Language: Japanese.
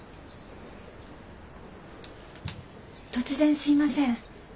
突然すいません。